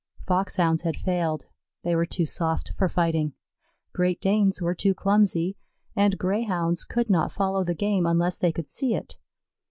Foxhounds had failed they were too soft for fighting; Great Danes were too clumsy, and Greyhounds could not follow the game unless they could see it.